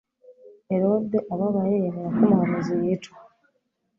Herode ababaye, yemera ko umuhanuzi yicwa.